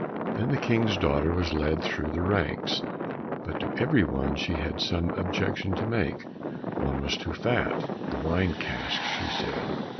Then the King's daughter was led through the ranks, but to every one she had some objection to make; one was too fat, "The wine cask," she said.